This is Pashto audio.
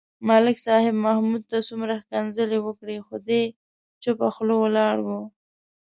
ملک صاحب محمود ته څومره کنځلې وکړې. خو دی چوپه خوله ولاړ و.